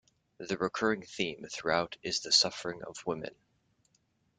The recurring theme throughout is the suffering of women.